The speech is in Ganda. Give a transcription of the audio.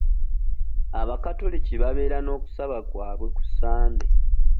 Abakatoliki babeera n'okusaba kwabwe ku Sande.